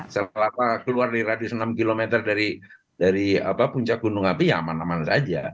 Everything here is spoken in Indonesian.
selama keluar dari radius enam km dari puncak gunung api ya aman aman saja